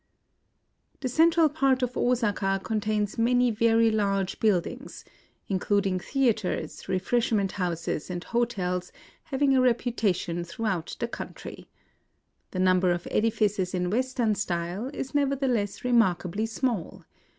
The central part of Osaka contains many very large buildings, — including theatres, re freshment houses, and hotels having a repu tation throughout the country. The number of edifices in Western style is nevertheless remarkably small.